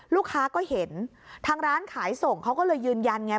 ลูกค้าก็เห็นทางร้านขายส่งเขาก็เลยยืนยันไง